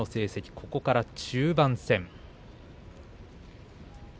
ここから中盤戦です。